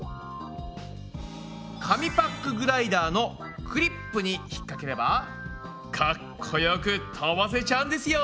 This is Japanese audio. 紙パックグライダーのクリップにひっかければかっこよく飛ばせちゃうんですよ。